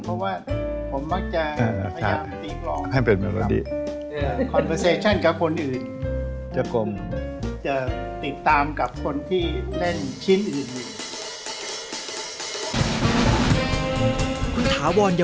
เพราะว่าผมมักจะพยายามนี่กล่อง